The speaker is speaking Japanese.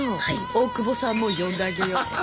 大久保さんも呼んであげよう。